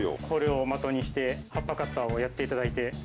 これを的にしてはっぱカッターをやっていただいて。